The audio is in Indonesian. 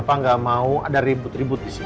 bapak gak mau ada ribut ribut di sini